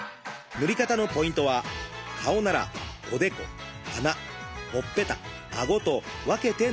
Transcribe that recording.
塗り方のポイントは顔ならおでこ鼻ほっぺたあごと分けて塗ること。